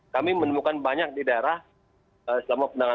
kami menemukan banyak di daerah selama penanganan